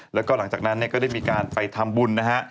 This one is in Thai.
แล้วก็หลังจากนั้นเนี่ยก็ได้มีการไปทำบุญนะฮะ